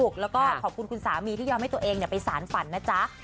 คุณสามีที่ยอมให้ตัวเองไปสานฝรณ์นะจ๊ะ